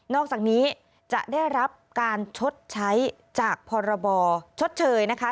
อกจากนี้จะได้รับการชดใช้จากพรบชดเชยนะคะ